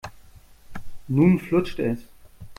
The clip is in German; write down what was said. Nun flutscht es.